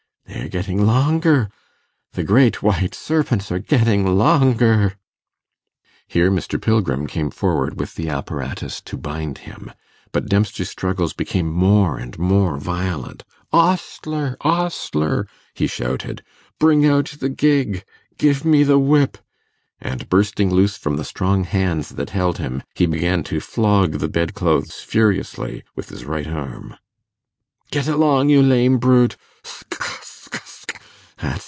they are getting longer ... the great white serpents are getting longer ...' Here Mr. Pilgrim came forward with the apparatus to bind him, but Dempster's struggles became more and more violent. 'Ostler! ostler!' he shouted, 'bring out the gig ... give me the whip!' and bursting loose from the strong hands that held him, he began to flog the bed clothes furiously with his right arm. 'Get along, you lame brute! sc sc sc!